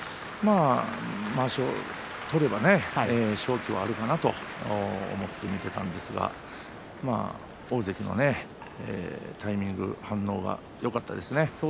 まわしを取れば勝機はあるかなと思って見ていたんですが大関のタイミング、反応がよかったです。